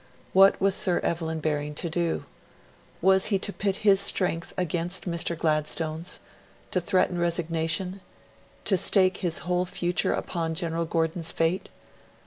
What was Sir Evelyn Baring to do? Was he to pit his strength against Mr. Gladstone's? To threaten resignation? To stake his whole future upon General Gordon's fate?